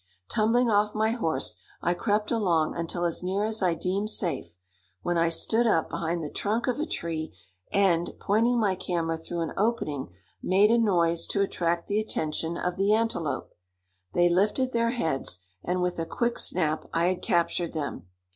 Tumbling off my horse, I crept along until as near as I deemed safe, when I stood up behind the trunk of a tree and, pointing my camera through an opening, made a noise to attract the attention of the antelope. They lifted their heads, and with a quick snap I had captured them.